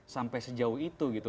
sampai sejauh itu gitu